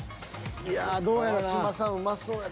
いやどうやろな。